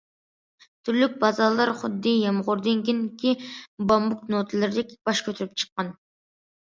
تۈرلۈك بازارلار خۇددى يامغۇردىن كېيىنكى بامبۇك نوتىلىرىدەك باش كۆتۈرۈپ چىققان.